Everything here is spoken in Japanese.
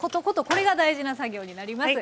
これが大事な作業になります。